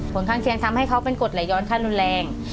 ผลข้างเคียงทำให้เขาเป็นกฎไหลย้อนขั้นรุนแรง